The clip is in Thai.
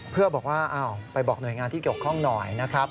เพื่อบอกว่าไปบอกหน่วยงานที่เกี่ยวข้องหน่อยนะครับ